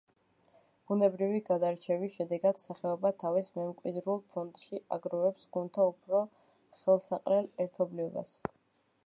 ბუნებრივი გადარჩევის შედეგად სახეობა თავის მემკვიდრულ ფონდში აგროვებს გენთა უფრო ხელსაყრელ ერთობლიობას.